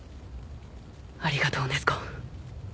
ありがとう禰豆子。